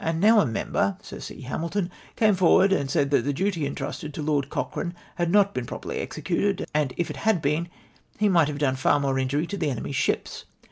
And now a member (Sir C. Hamiltou) came forward and said that the duty intrusted to Lord Cochrane had not been j^roperly executed, and that if it had been he might have done far more injury to the enemy's ships.